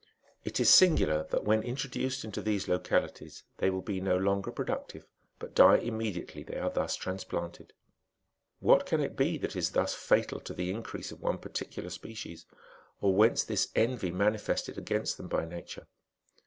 [Book X ■vrcH; it is singular that when introduced into these localitie; they will be no longer productive, but die immediately thei are thus transplanted. What can it be that is thus fatal t( the increase of one particular species, or whence this env^ manifested against them by Nature